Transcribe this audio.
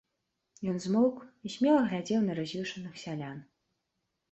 Ён змоўк і смела глядзеў на раз'юшаных сялян.